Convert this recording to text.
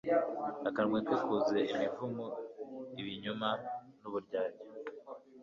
Akanwa ke kuzuye imivumo ibinyoma n’uburyarya